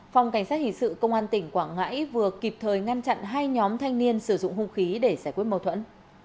phòng cảnh sát hình sự công an tỉnh quảng ngãi vừa kịp thời ngăn chặn hai nhóm thanh niên sử dụng hung khí để giải quyết mâu thuẫn